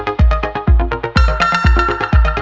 nanti biar gue mulai pria